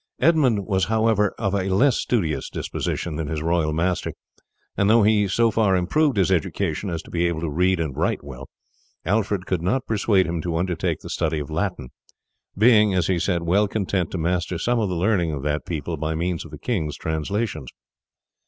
Edmund was, however, of a less studious disposition than his royal master; and though he so far improved his education as to be able to read and write well, Alfred could not persuade him to undertake the study of Latin, being, as he said, well content to master some of the learning of that people by means of the king's translations.